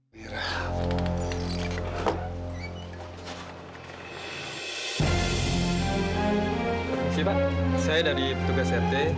si pak saya dari tugas rt